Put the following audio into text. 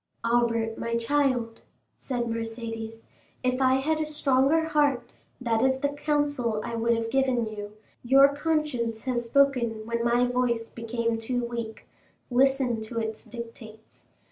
"Albert, my child," said Mercédès, "if I had a stronger heart, that is the counsel I would have given you; your conscience has spoken when my voice became too weak; listen to its dictates.